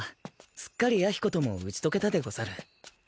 すっかり弥彦とも打ち解けたでござる。